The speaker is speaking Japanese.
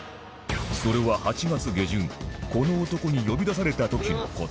それは８月下旬この男に呼び出された時の事